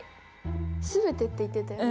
「全て」って言ってたよね？